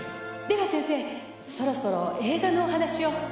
では先生そろそろ映画のお話を。